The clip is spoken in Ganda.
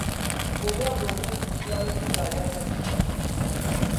Obwavu obungi busobola n'okukukaabya amaziga.